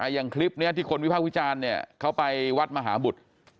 อย่างคลิปนี้ที่คนวิภาควิจารณ์เขาไปวัดมหาบุตร